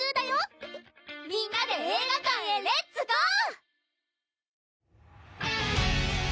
みんなで映画館へレッツゴー！